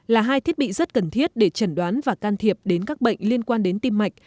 là hai thiết bị rất cần thiết để trần đoán và can thiệp đến các bệnh liên quan đến tim mạch